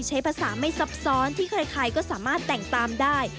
ใช้ภาษาไม่ซับซ้อนที่ใครก็สามารถแต่งตามได้